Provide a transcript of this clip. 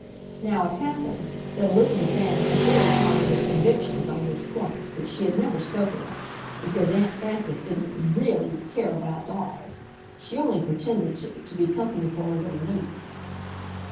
Now it happened that Elizabeth Ann had very positive convictions on this point which she had never spoken of, because Aunt Frances didn't REALLY care about dolls. She only pretended to, to be company for her little niece.